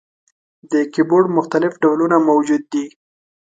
د کیبورډ مختلف ډولونه موجود دي.